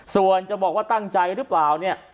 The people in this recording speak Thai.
ส่วนจะบอกว่าตั้งใจหรือเปล่าเนี่ย